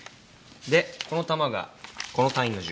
でこの弾がこの隊員の銃。